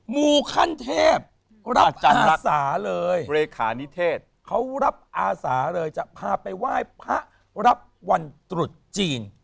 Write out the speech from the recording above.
มูขั้นเทพรับอาสาเลยเลขานิเทศเขารับอาสาเลยจะพาไปไหว้พระรับวันตรุษจีน